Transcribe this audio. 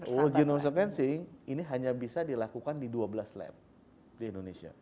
whole genome sequencing ini hanya bisa dilakukan di dua belas lab di indonesia